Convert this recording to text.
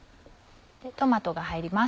トマトが入ります。